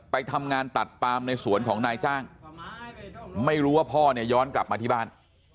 ไปทำงานตัดปามในสวนของนายจ้างไม่รู้ว่าพ่อเนี่ยย้อนกลับมาที่บ้าน